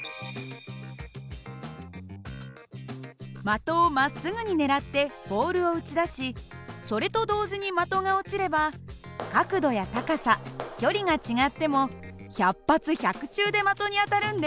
的をまっすぐに狙ってボールを打ち出しそれと同時に的が落ちれば角度や高さ距離が違っても百発百中で的に当たるんです。